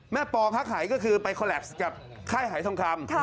แม่ปองฮักไหยก็คือไปคอลลับซ์กับไข้ไหายทองคำ